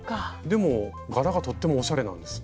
でも柄がとってもおしゃれなんです。